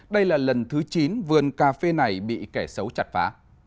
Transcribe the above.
đây là lần thứ chín vườn cà phê này bị kẻ xấu chặt phá